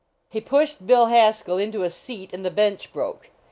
He pushed Bill Haskell into a seat and the bench broke.